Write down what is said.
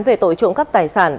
về tội trộm cắp tài sản